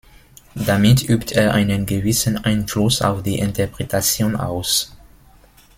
Damit übt er einen gewissen Einfluss auf die Interpretation aus.